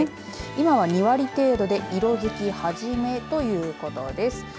今は２割程度で色づき始めということです。